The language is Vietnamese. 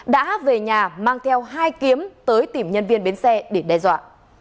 đã về nhà mang theo hai kiếm tới tìm nhân viên bến xe để đe dọa